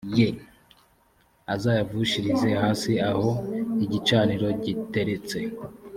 ye azayavushirize hasi aho igicaniro giteretse